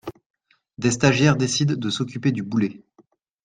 Des stagiaires décident de s'occuper du boulet.